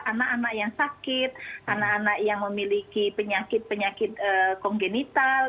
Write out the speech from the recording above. anak anak yang sakit anak anak yang memiliki penyakit penyakit kongenital